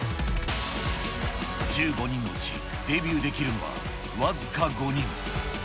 １５人のうち、デビューできるのは僅か５人。